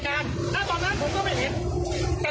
เพราะผมไม่ได้อยู่เหตุการณ์ถ้าตอนนั้นผมก็ไม่เห็น